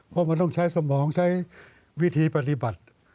เพราะมันต้องใช้สมองใช้วิธีปฏิบัติ